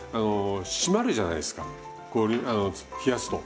締まるじゃないですか冷やすと。